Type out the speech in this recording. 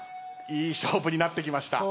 いい勝負になってきました。